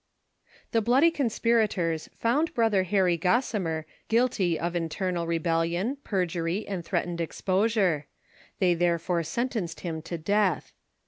|HE bloody conspirators found Brother Harry Gos simer guilty of internal rebellion, perjury and threatened exposure ; they therefore sentenced him to death.